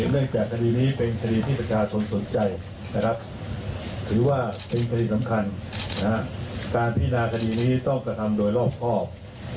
คือว่าเท็จเขาสำคัญนะครับการพินาคดีนี้ต้องกระทำโดยรอบครอบ